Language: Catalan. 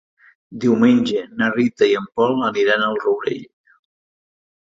Diumenge na Rita i en Pol aniran al Rourell.